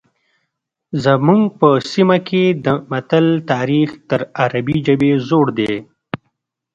زموږ په سیمه کې د متل تاریخ تر عربي ژبې زوړ دی